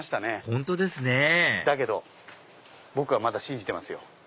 本当ですねだけど僕はまだ信じてますよ。